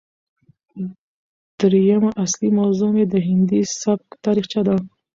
درييمه اصلي موضوع مې د هندي سبک تاريخچه ده